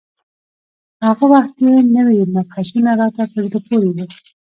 په هغه وخت کې نوي مبحثونه راته په زړه پورې وو.